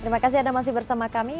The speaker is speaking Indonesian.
terima kasih anda masih bersama kami